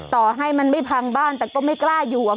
ต่อให้มันไม่พังบ้านแต่ก็ไม่กล้าอยู่